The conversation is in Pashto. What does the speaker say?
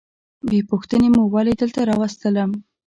بې پوښتنې مو ولي دلته راوستلم؟